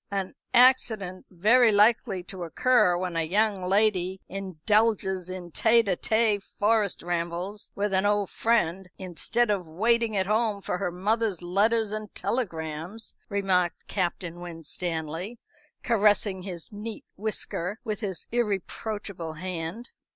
"An accident very likely to occur when a young lady indulges in tête à tête forest rambles with an old friend, instead of waiting at home for her mother's letters and telegrams," remarked Captain Winstanley, caressing his neat whisker with his irreproachable hand.